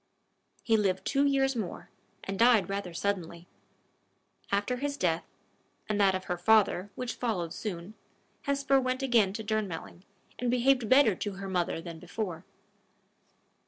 He lived two years more, and died rather suddenly. After his death, and that of her father, which followed soon, Hesper went again to Durnmelling, and behaved better to her mother than before.